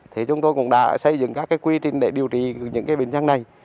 thì chúng tôi cũng đã xây dựng các quy trình để điều trị những bệnh nhân này